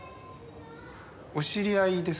お知り合いですか？